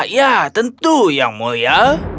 ya tentu yang mulia